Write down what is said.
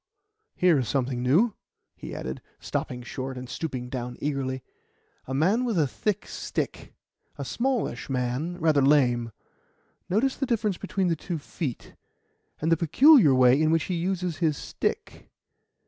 "Ha! here is something new," he added, stopping short and stooping down eagerly "a man with a thick stick a smallish man, rather lame. Notice the difference between the two feet, and the peculiar way in which he uses his stick.